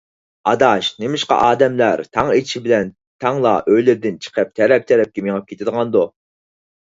ئاداش، نېمىشقا ئادەملەر تاڭ ئېتىش بىلەن تەڭلا ئۆيلىرىدىن چىقىپ تەرەپ - تەرەپكە مېڭىپ كېتىدىغاندۇ؟